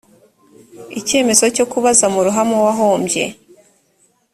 icyemezo cyo kubaza mu ruhame uwahombye